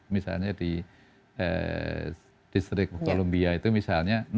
misalnya di distrik columbia itu misalnya